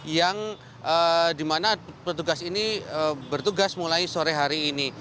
yang dimana petugas ini bertugas mulai sore hari ini